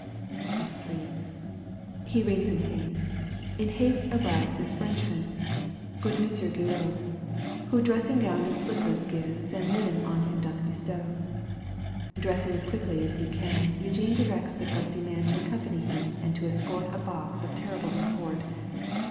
XXIII. He rings in haste ; in haste arrives His Frenchman, good Monsieur Guillot, Who dressing gown and slippers gives And linen on him doth bestow. Dressing as quickly as he can, Eugene directs the trusty man To accompany him and to escort A box of terrible import.